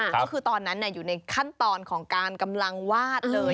ก็คือตอนนั้นอยู่ในขั้นตอนของการกำลังวาดเลย